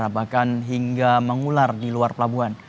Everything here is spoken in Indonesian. bahkan hingga mengular di luar pelabuhan